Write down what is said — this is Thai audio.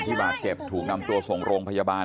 บาดเจ็บถูกนำตัวส่งโรงพยาบาล